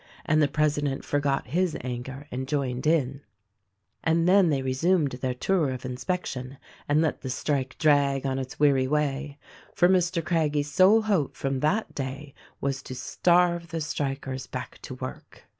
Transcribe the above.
And the president forgot his anger and joined in. And then they resumed their tour of inspection and let the strike drag on its weary way. For Mr. Craggie's sole hope from that day was to starve the strikers back to work.